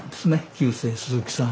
旧姓鈴木さん。